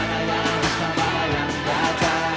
mana yang disalah yang nyata